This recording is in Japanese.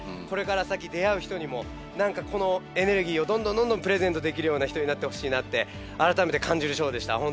これから先出会う人にもこのエネルギーをどんどんどんどんプレゼントできるような人になってほしいなってあらためて感じるショーでした。